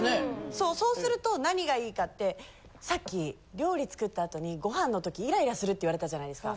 そうそうすると何がいいかってさっき料理作ったあとにご飯の時イライラするって言われたじゃないですか。